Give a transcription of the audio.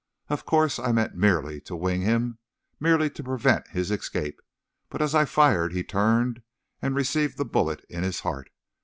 Of course, I meant merely to wing him, merely to prevent his escape, but as I fired he turned and received the bullet in his heart.